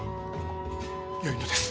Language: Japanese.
よいのです。